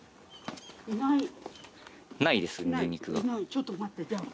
ちょっと待ってじゃあ。